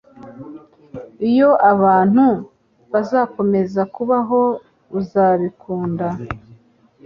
Iyo abantu bazakomeza kubaho Uzabikunda